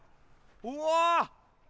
うわ！